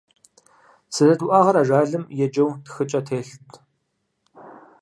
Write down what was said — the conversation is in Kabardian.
Сэлэт уӀэгъэр ажалым еджэу тхыкӀэ телът.